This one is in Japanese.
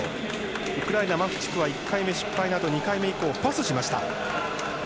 ウクライナ、マフチフは１回目失敗のあと２回目以降パスしました。